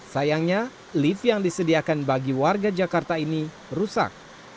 sayangnya lift yang disediakan bagi warga jakarta ini rusak